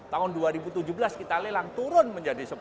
tahun dua ribu tujuh belas kita lelang turun menjadi sepuluh